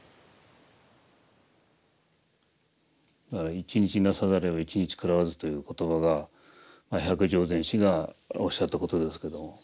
「一日作さざれば一日食らわず」という言葉が百丈禅師がおっしゃったことですけども。